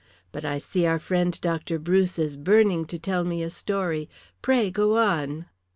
But I see our friend Dr. Bruce is burning to tell me a story. Pray go on."